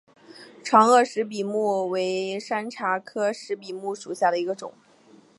长萼石笔木为山茶科石笔木属下的一个种。